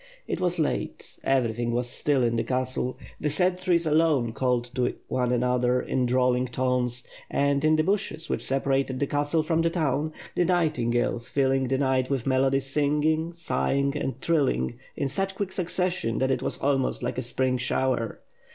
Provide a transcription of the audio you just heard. It was late. Everything was still in the castle. The sentries alone called to one another in drawling tones and in the bushes which separated the castle 631 632 W/riy FIRE AND SWORD. from the town, the nightingales filling the night with melody singing, sighing and trilling, in such quick succession that it was almost like a spring shower.